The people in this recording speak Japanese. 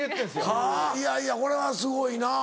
はぁいやいやこれはすごいな。